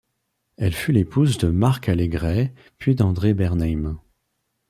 Elle fut l'épouse de Marc Allégret puis d'André Bernheim.